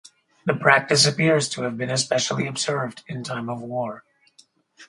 The practice appears to have been especially observed in time of war.